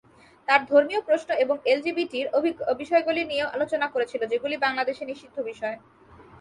তারা ধর্মীয় প্রশ্ন এবং এলজিবিটি বিষয়গুলি নিয়েও আলোচনা করেছিল, যেগুলি বাংলাদেশে নিষিদ্ধ বিষয়।